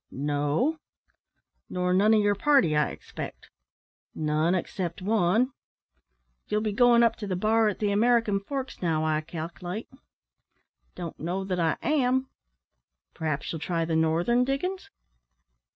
"No." "Nor none o' your party, I expect?" "None, except one." "You'll be goin' up to the bar at the American Forks now, I calc'late?" "Don't know that I am." "Perhaps you'll try the northern diggin's?"